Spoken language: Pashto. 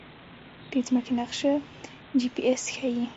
د ځمکې نقشه جی پي اس ښيي